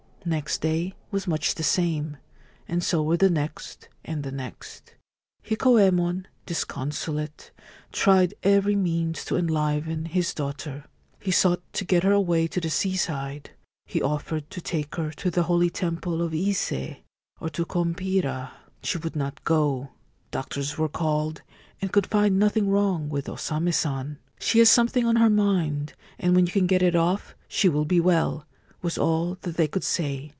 Next day was much the same, and so were the next and the next. Hikoyemon, disconsolate, tried every means to enliven his daughter. He sought to get her away to the seaside. He offered to take her to the Holy Temple of Ise or to Kompira. She would not go. Doctors were called, and could find nothing wrong with O Same San. ' She has something on her mind, and when you can get it off she will be well,' was all that they could say.